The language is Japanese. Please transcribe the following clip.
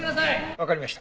わかりました。